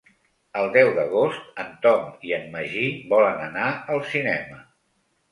El deu d'agost en Tom i en Magí volen anar al cinema.